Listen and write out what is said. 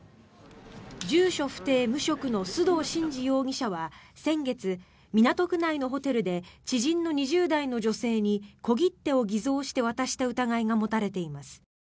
住所不定・無職の須藤慎司容疑者は先月港区内のホテルで知人の２０代の女性に小切手を偽造して渡した疑いが持たれています。